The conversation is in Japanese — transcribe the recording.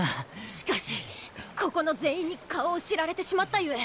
しかしここの全員に顔を知られてしまったゆえ。